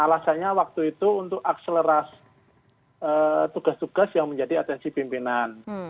alasannya waktu itu untuk akselerasi tugas tugas yang menjadi atensi pimpinan